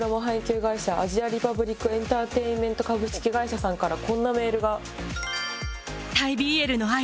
会社アジア・リパブリックエンターテイメントさんからこんなメールが。